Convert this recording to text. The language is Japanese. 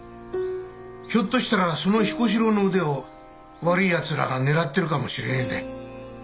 ひょっとしたらその彦四郎の腕を悪いやつらが狙ってるかもしれねえんだ。